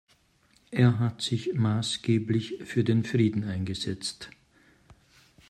Er hat sich maßgeblich für den Frieden eingesetzt.